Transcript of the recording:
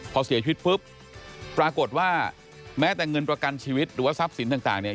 พอเสียชีวิตปุ๊บปรากฏว่าแม้แต่เงินประกันชีวิตหรือว่าทรัพย์สินต่างเนี่ย